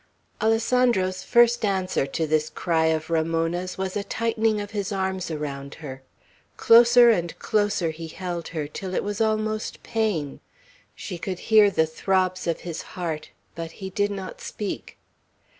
XV ALESSANDRO'S first answer to this cry of Ramona's was a tightening of his arms around her; closer and closer he held her, till it was almost pain; she could hear the throbs of his heart, but he did not speak.